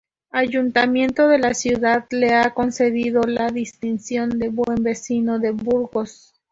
Ayuntamiento de la ciudad le ha concedido la distinción de Buen Vecino de Burgos.